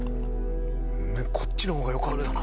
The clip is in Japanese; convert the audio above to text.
こっちの方が良かったな。